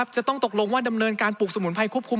จะต้องตกลงว่าดำเนินการปลูกสมุนไพรควบคุม